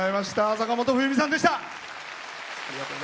坂本冬美さんでした。